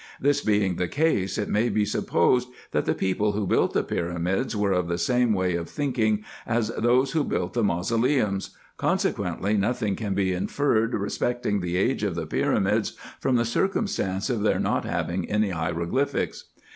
This being the case, it may be supposed, that the people, who built the pyramids, were of the same way of thinking as those, who built the mausoleums ; consequently nothing can be inferred respecting the age of the pyramids from the circumstance of their not having any hieroglyphics.